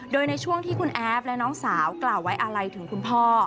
โดยในช่วงที่คุณแอฟและน้องสาวกล่าวไว้อะไรถึงคุณพ่อ